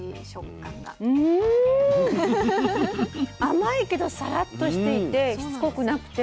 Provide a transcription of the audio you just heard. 甘いけどサラッとしていてしつこくなくて。